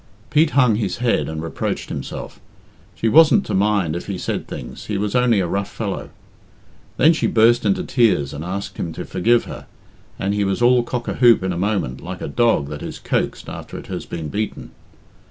Pete hung his head and reproached himself. She wasn't to mind if he said things he was only a rough fellow. Then she burst into tears and asked him to forgive her, and he was all cock a hoop in a moment, like a dog that is coaxed after it has been beaten.